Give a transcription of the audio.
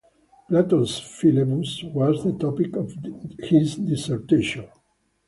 "Plato's Philebus" was the topic of his dissertation.